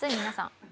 皆さん。